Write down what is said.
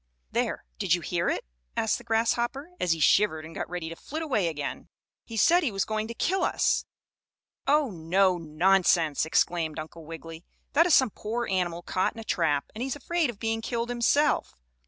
"There, did you hear it?" asked the grasshopper, as he shivered and got ready to flit away again, "he said he was going to kill us." "Oh, no! Nonsense!" exclaimed Uncle Wiggily. "That is some poor animal caught in a trap, and he's afraid of being killed himself.